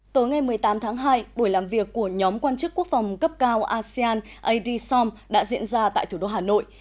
tối ngày một mươi tám tháng hai buổi làm việc của nhóm quan chức quốc phòng cấp cao asean adsom đã diễn ra tại thủ đô hà nội